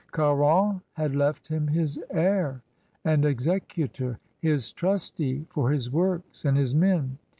Caron had left him his heir and executor, his trustee for his works and his men.